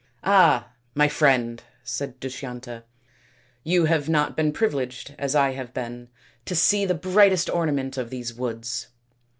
" Ah ! my friend," said Dushyanta, " you have not been privileged, as I have been, to see the brightest ornament of these woods."